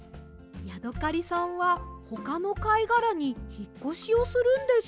ヤドカリさんはほかのかいがらにひっこしをするんです。